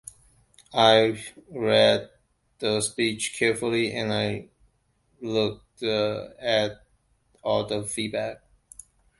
I've read the speech carefully and I've looked at all the feedback.